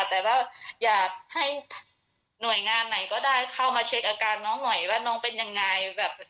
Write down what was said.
แต่ว่าอยากให้หน่วยงานไหนก็ได้เข้ามาเช็คอาการน้องหน่อยว่าน้องเป็นยังไง